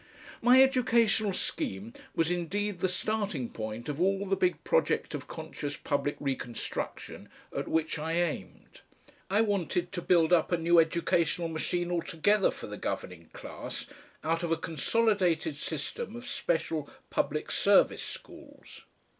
My educational scheme was indeed the starting point of all the big project of conscious public reconstruction at which I aimed. I wanted to build up a new educational machine altogether for the governing class out of a consolidated system of special public service schools.